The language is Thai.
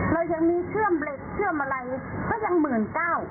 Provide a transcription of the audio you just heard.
เรายังมีเชื่อมเหล็กเชื่อมอะไรก็ยังหมื่นเก้า